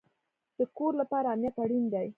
د کور لپاره امنیت اړین دی